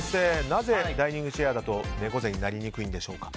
なぜダイニングチェアだと猫背になりにくいんでしょうか。